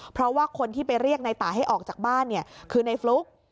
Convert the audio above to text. เพราะว่าคนที่ไปเรียกในตาให้ออกจากบ้านเนี่ยคือในฟลุ๊ก